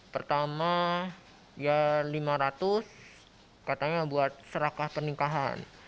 pertama ya lima ratus katanya buat serakah pernikahan